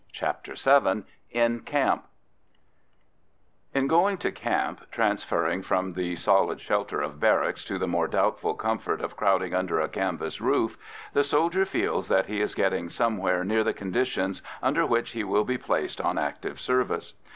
CHAPTER VII IN CAMP In going to camp, transferring from the solid shelter of barracks to the more doubtful comfort of crowding under a canvas roof, the soldier feels that he is getting somewhere near the conditions under which he will be placed on active service.